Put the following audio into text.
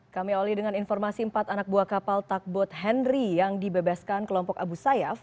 kami awali dengan informasi empat anak buah kapal takbot henry yang dibebaskan kelompok abu sayyaf